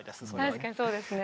確かにそうですね。